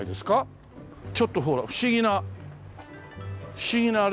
ちょっとほら不思議な不思議なあれでしょ？